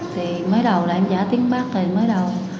thì mới đầu là em giả tiếng bắc rồi mới đầu